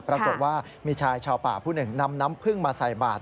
ปรากฏว่ามีชายชาวป่าผู้หนึ่งนำน้ำพึ่งมาใส่บาท